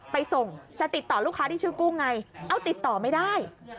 ไปส่งจะติดต่อลูกค้าที่ชื่อกุ้งไงเอาติดต่อไม่ได้